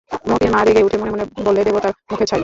মোতির মা রেগে উঠে মনে মনে বললে, দেবতার মুখে ছাই!